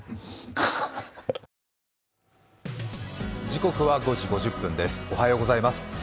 時刻は５時５０分ですおはようございます。